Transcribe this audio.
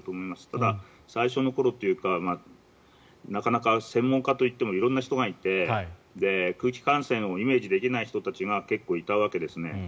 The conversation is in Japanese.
ただ、最初の頃というかなかなか専門家といっても色々な人がいて空気感染をイメージできない人たちが結構いたわけですよね。